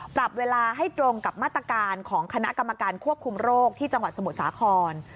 ปรับเวลาให้ตรงกับมาตรการของคณะกรรมการควบคุมโรคที่จังหวัดสมุทรสาคร